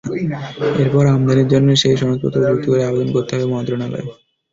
এরপর আমদানির জন্য সেই সনদপত্র যুক্ত করে আবেদন করতে হবে মন্ত্রণালয়ে।